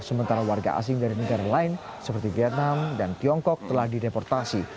sementara warga asing dari negara lain seperti vietnam dan tiongkok telah dideportasi